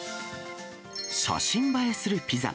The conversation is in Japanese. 写真映えするピザ。